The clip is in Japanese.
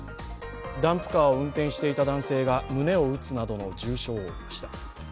ダンプカーを運転していた男性が胸を打つなどの重傷を負いました。